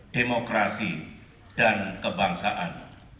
demokrasi dan kebangsaan